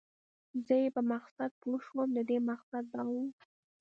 زه یې په مقصد پوه شوم، د دې مقصد دا و.